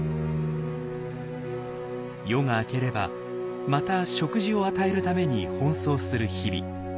夜が明ければまた食事を与えるために奔走する日々。